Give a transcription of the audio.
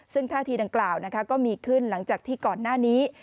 ซึ่งท่าทีดังกล่าวก็มีขึ้นหลังจากที่ก่อนหน้านี้